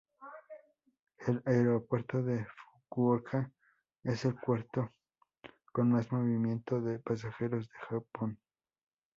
El Aeropuerto de Fukuoka es el cuarto con más movimiento de pasajeros de Japón.